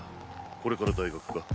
これから大学か？